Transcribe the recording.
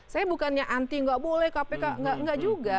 saya bukannya anti nggak boleh kpk nggak juga